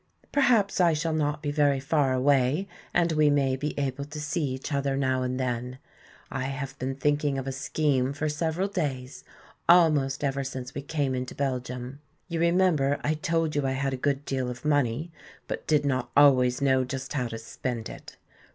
"Perhaps I shall not be very far away and we may be able to see each other now and then. I have been thinking of a scheme for several days, almost ever since we came into Belgium. You remember I told you I had a good deal of money, but did not always know just how to spend it.